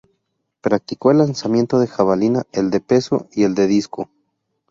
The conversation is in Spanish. Practicó el lanzamiento de jabalina, el de peso y el de disco.